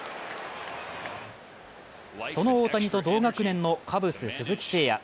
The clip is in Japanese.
その大谷と同学年のカブス・鈴木誠也。